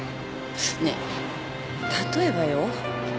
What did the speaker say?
ねえ例えばよ。